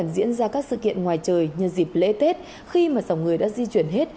diễn ra các sự kiện ngoài trời nhân dịp lễ tết khi mà dòng người đã di chuyển hết